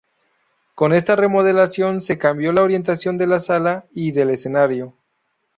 Con esta remodelación se cambió la orientación de la sala y del escenario.